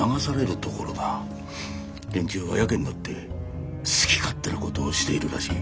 連中はやけになって好き勝手なことをしているらしい。